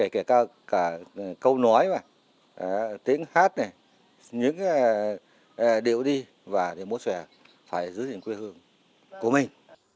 kể cả câu nói tiếng hát những điều đi và để mốt xòe phải giữ gìn quê hương của mình